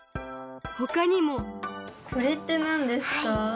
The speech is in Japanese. ほかにもこれってなんですか？